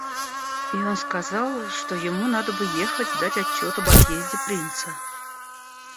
И он сказал, что ему надо было ехать дать отчет об отъезде принца.